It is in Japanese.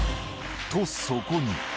と、そこに。